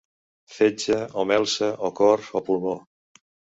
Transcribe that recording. Fetge o melsa o cor o pulmó.